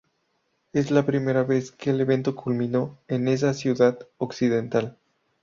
Es la primera vez que el evento culminó en esa ciudad occidental.